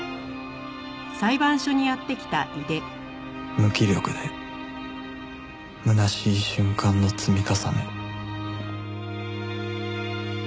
無気力でむなしい瞬間の積み重ね